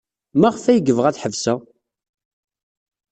Maɣef ay yebɣa ad ḥebseɣ?